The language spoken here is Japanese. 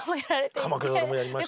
「鎌倉殿」もやりました。